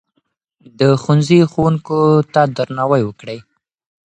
د ښوونځي ښوونکو ته درناوی وکړئ.